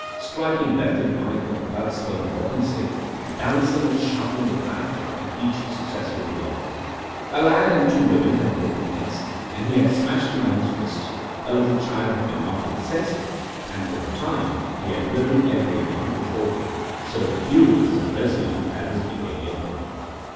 striking left and right with a blood stained walking stick, and dancing and shouting with laughter at each successful blow. A lad and two women had broken heads, and he had smashed a man's wrist; a little child had been knocked insensible, and for a time he had driven every one before him, so furious and resolute had his behaviour been.